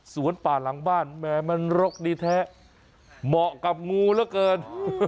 สวนป่าหลังบ้านแหมมันรกดีแท้เหมาะกับงูเหลือเกิน